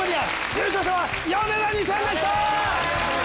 優勝者はヨネダ２０００でした！